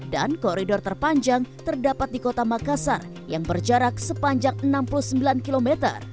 dan koridor terpanjang terdapat di kota makassar yang berjarak sepanjang enam puluh sembilan km